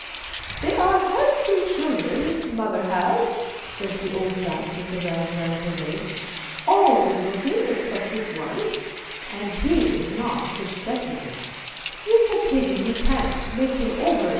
" They are handsome children mother has," said the old duck with the rag round her leg; " all good looking except this one, and he is not a good specimen; it's a pity you can't make him over again."